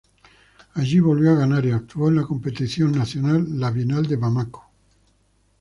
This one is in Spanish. Allí volvió a ganar y actuó en la competición nacional, la Bienal de Bamako.